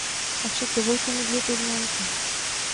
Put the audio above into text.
Avšak dovolte mi dvě poznámky.